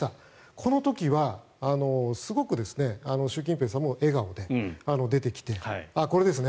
この時はすごく習近平さんも笑顔で出てきてこれですね。